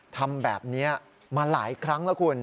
ทำแบบนี้มาหลายครั้งแล้วคุณ